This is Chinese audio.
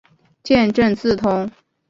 见正字通。